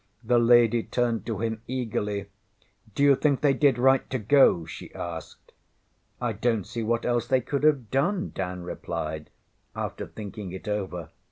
The lady turned to him eagerly. ŌĆśDŌĆÖyou think they did right to go? ŌĆÖ she asked. ŌĆśI donŌĆÖt see what else they could have done, ŌĆÖ Dan replied, after thinking it over.